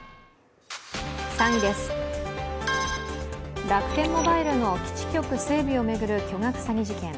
３位です、楽天モバイルの基地局整備を巡る巨額詐欺事件。